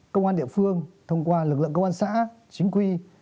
công an địa phương thông qua lực lượng công an xã chính quy